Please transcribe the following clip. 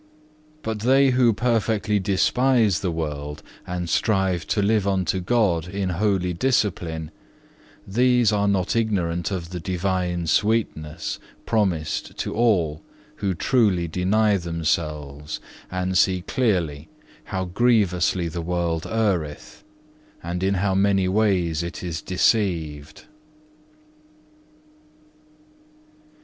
But they who perfectly despise the world and strive to live unto God in holy discipline, these are not ignorant of the divine sweetness promised to all who truly deny themselves and see clearly how grievously the world erreth, and in how many ways it is deceived.